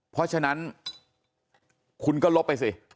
เพราะฉะนั้นคุณก็ลบไปสิ